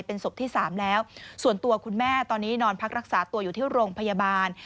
เป็นศพที่สามแล้วส่วนตัวคุณแม่ตอนนี้นอนพักรักษาตัวอยู่ที่โรงพยาบาล